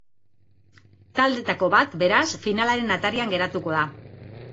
Taldeetako bat, beraz, finalaren atarian geratuko da.